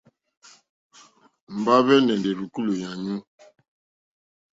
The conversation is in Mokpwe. Mbahve nà èndè o rzùkulù yànyu.